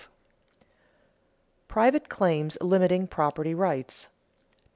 [Sidenote: Private claims limiting property rights] 2.